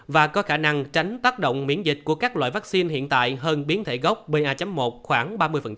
và có khả năng tránh tác động miễn dịch của các loại vaccine hiện tại hơn biến thể gốc ba một khoảng ba mươi